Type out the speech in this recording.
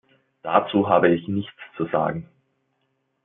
Dazu habe ich nichts zu sagen.